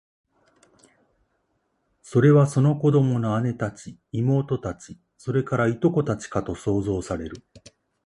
それは、その子供の姉たち、妹たち、それから、従姉妹たちかと想像される